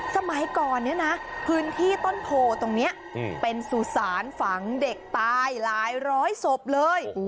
สมัยก่อนเนี่ยนะพื้นที่ต้นโพตรงนี้เป็นสุสานฝังเด็กตายหลายร้อยศพเลย